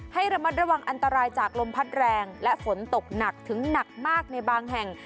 ให้ระมัดระวังอันตรายจากลมพัดแรงและฝนตกหนักถึงหนักมากในบางแห่ง